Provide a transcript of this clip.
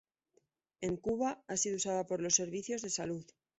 En Cuba ha sido usada por los servicios de salud.